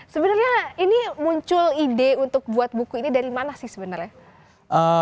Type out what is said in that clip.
sebenarnya ini muncul ide untuk buat buku ini dari mana sih sebenarnya